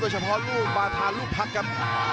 โดยเฉพาะลูกบาทาลูกพลักษณ์ครับ